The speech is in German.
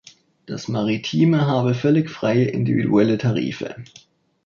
Das maritime habe völlig freie individuelle Tarife.